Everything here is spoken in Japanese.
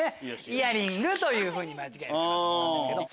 「イヤリング」というふうに間違えるかと思うんですけど。